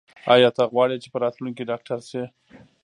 ایا ته غواړې چې په راتلونکي کې ډاکټر شې؟